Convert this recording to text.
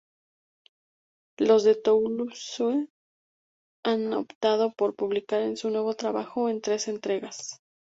Los de Toulouse han optado por publicar su nuevo trabajo en tres entregas.